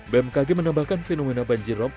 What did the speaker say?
bmkg menambahkan fenomena banjir rob